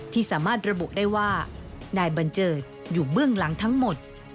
ที่สามารถระบุได้ว่านายบัญเจิดอยู่เบื้องหลังทั้งหมด